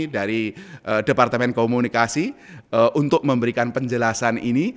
dari departemen komunikasi untuk memberikan penjelasan ini